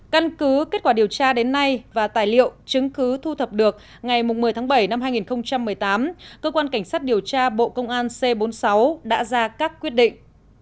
căn cứ kết quả điều tra đến nay và tài liệu chứng cứ thu thập được ngày một mươi tháng bảy năm hai nghìn một mươi tám cơ quan cảnh sát điều tra bộ công an c bốn mươi sáu đã ra các quyết định